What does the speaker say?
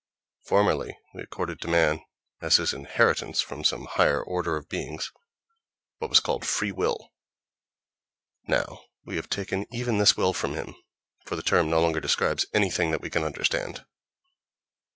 Formerly we accorded to man, as his inheritance from some higher order of beings, what was called "free will"; now we have taken even this will from him, for the term no longer describes anything that we can understand.